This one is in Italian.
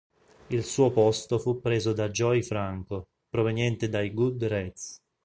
Il suo posto fu preso da Joey Franco, proveniente dai "Good Rats".